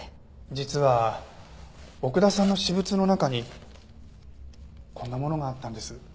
実は奥田さんの私物の中にこんなものがあったんです。